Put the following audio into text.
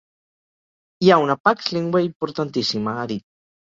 Hi ha una “pax linguae” importantíssima, ha dit.